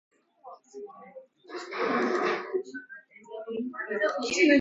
The suburb has two marae.